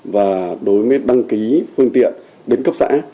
và đối với đăng ký phương tiện đến cấp xã